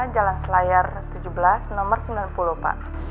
jalan selayar tujuh belas nomor sembilan puluh pak